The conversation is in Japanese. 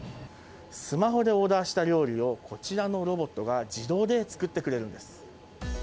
スマホでオーダーした料理をこちらのロボットが自動で作ってくれるんです。